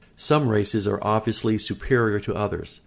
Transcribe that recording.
] Some races are obviously superior to others.